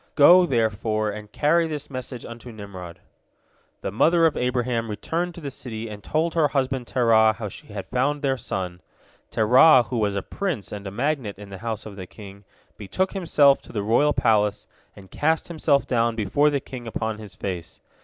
Go, therefore, and carry this message unto Nimrod." The mother of Abraham returned to the city and told her husband Terah how she had found their son. Terah, who was a prince and a magnate in the house of the king, betook himself to the royal palace, and cast himself down before the king upon his face.